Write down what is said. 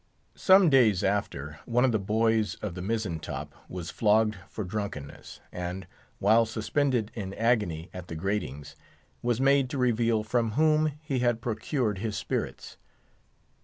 Some days after, one of the boys of the mizzen top was flogged for drunkenness, and, while suspended in agony at the gratings, was made to reveal from whom he had procured his spirits.